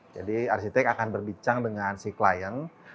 jadi arsitek akan berbicara dengan si klien